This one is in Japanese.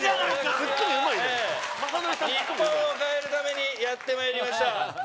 日本を変えるためにやってまいりました。